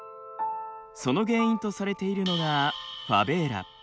その原因とされているのがファベーラ。